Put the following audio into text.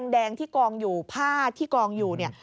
แดงที่กองอยู่ผ้าที่กองอยู่เนี่ย